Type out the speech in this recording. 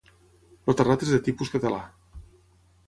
El terrat és de tipus català.